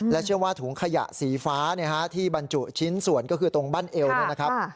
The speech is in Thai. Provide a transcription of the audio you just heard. เชื่อว่าถุงขยะสีฟ้าที่บรรจุชิ้นส่วนก็คือตรงบั้นเอวเนี่ยนะครับ